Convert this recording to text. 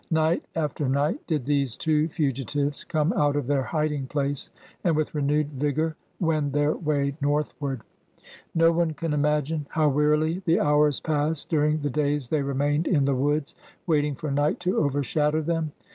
Night after night did these two fugitives come out of their hiding place, and with renewed vigor wend their way northward. Xo one can imagine how wearily the hours passed during the days they remained in the woods, waiting for night to overshadow them.